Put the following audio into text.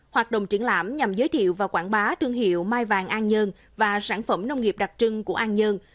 hoạt động triển lãm nhằm giới thiệu và quảng bá thương hiệu mai vàng an dơn và sản phẩm mai vàng an dơn